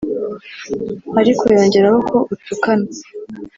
ariko yongeraho ko utukana